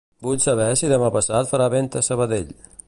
Vull saber si demà passat farà vent a Sabadell.